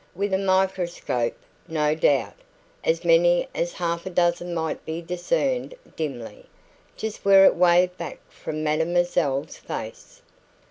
With a microscope, no doubt, as many as half a dozen might be discerned dimly, just where it waved back from mademoiselle's face.